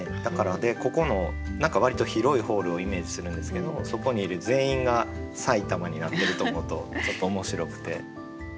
ここの割と広いホールをイメージするんですけどそこにいる全員が「さいたま」になってると思うとちょっと面白くて。